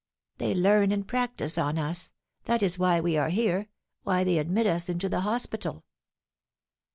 "They learn and practise on us; that is why we are here, why they admit us into the hospital."